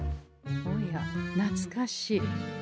おやなつかしい。